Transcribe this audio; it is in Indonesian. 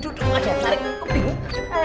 duduk aja lari kok bingung